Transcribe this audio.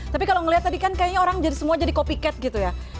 tapi kalau ngeliat tadi kan kayaknya orang semua jadi copycat gitu ya